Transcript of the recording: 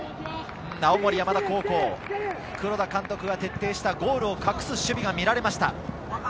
青森山田高校、黒田監督が徹底した、ゴールを隠す守備が見られました。